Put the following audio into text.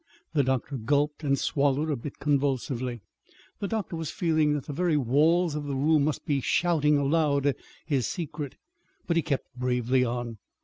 (The doctor gulped and swallowed a bit convulsively. The doctor was feeling that the very walls of the room must be shouting aloud his secret but he kept bravely on.)